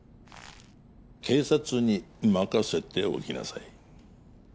警察に任せておきなさい